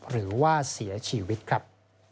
หรือว่าเสียชีวิตครับ